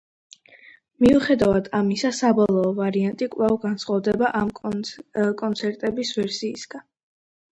მიუხედავად ამისა, საბოლოო ვარიანტი კვლავ განსხვავდება ამ კონცერტების ვერსიისგან.